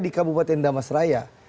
di kabupaten damasraya